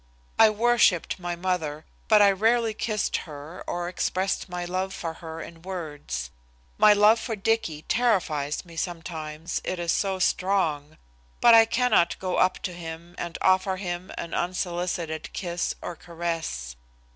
I worshipped my mother, but I rarely kissed her or expressed my love for her in words. My love for Dicky terrifies me sometimes, it is so strong, but I cannot go up to him and offer him an unsolicited kiss or caress.